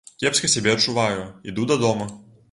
Кепска сябе адчуваю, іду дадому.